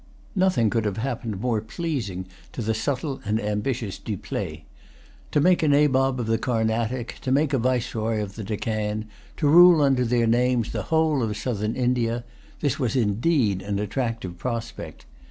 Nothing could have happened more pleasing to the subtle and ambitious Dupleix. To make a Nabob of the Carnatic, to make a Viceroy of the Deccan, to rule under their names the whole of Southern India; this was indeed an attractive prospect.